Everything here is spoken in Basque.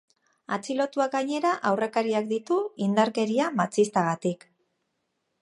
Atxilotuak gainera aurrekariak ditu indarkeria matxistagatik.